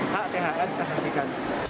kita akan menjaga